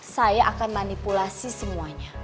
saya akan manipulasi semuanya